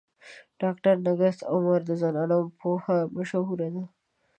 ډاکټر نگهت عمر د زنانو پوهه مشهوره ده.